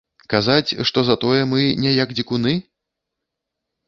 Казаць, што затое мы не як дзікуны?